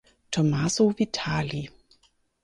Tommaso Vitali